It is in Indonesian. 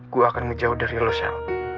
gue akan menjauh dari lo sel